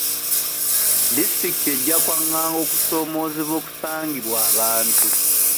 Disitulikiti ejja kwanganga okusoomoozebwa okusangibwa abantu.